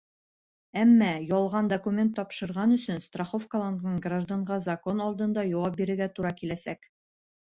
Әммә ялған документ тапшырған өсөн страховкаланған гражданға закон алдында яуап бирергә тура киләсәк.